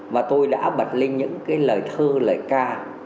và tôi đã bật lên những cái lời thơ lời ca